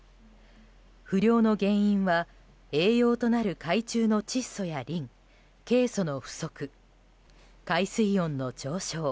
不漁の原因は栄養となる海中の窒素やリンケイ素の不足、海水温の上昇